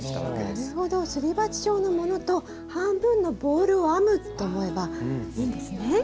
なるほどすり鉢状のものと半分のボールを編むと思えばいいんですね。